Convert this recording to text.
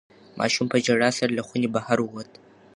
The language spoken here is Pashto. ماشوم په ژړا سره له خونې بهر ووت.